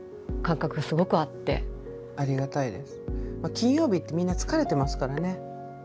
金曜日ってみんな疲れてますからね。